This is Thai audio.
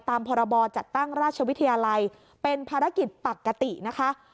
พรบจัดตั้งราชวิทยาลัยเป็นภารกิจปกตินะคะ